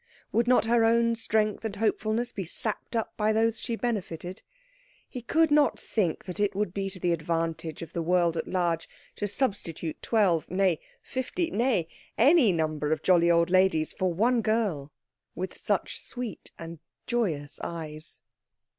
Would not her own strength and hopefulness be sapped up by those she benefited? He could not think that it would be to the advantage of the world at large to substitute twelve, nay fifty, nay any number of jolly old ladies, for one girl with such sweet and joyous eyes.